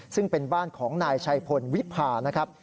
ซึ่งเป็นบ้านของนายชัยพลวิพานะครับ